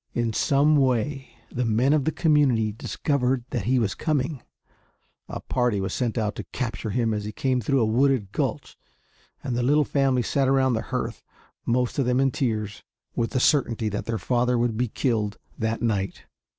In some way the men of the community discovered that he was coming. A party was sent out to capture him as he came through a wooded gulch, and the little family sat around the hearth, most of them in tears, with the certainty that their father would be killed that night.